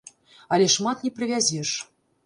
Але шмат не прывязеш.